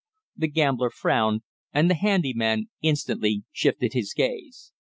The gambler frowned and the handy man instantly shifted his gaze.